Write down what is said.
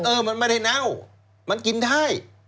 เออมันไม่ได้เน่ามันกินได้